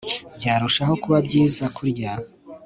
Byarushaho kuba byiza kurya